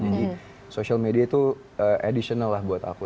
jadi social media itu additional lah buat aku